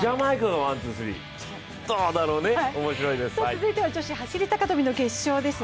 続いては女子走高跳の決勝です。